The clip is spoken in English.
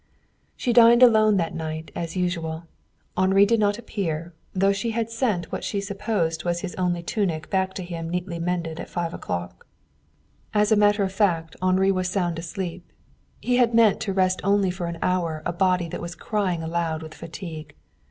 She dined alone that night, as usual. Henri did not appear, though she had sent what she suspected was his only tunic back to him neatly mended at five o'clock. As a matter of fact Henri was sound asleep. He had meant to rest only for an hour a body that was crying aloud with fatigue.